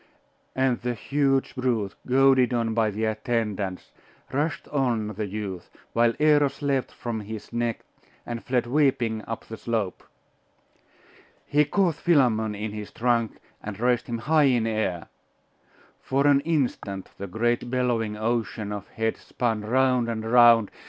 And the huge brute, goaded on by the attendants, rushed on the youth, while Eros leaped from his neck, and fled weeping up the slope. He caught Philammon in his trunk and raised him high in air. For an instant the great bellowing ocean of heads spun round and round.